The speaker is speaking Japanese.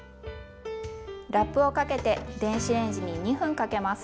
ラップをかけて電子レンジに２分かけます。